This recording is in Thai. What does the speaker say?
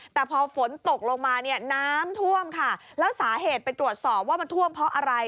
แต่พอฝนตกลงมาเนี่ยน้ำท่วมค่ะแล้วสาเหตุไปตรวจสอบว่ามันท่วมเพราะอะไร